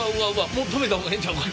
もう止めた方がええんちゃうか。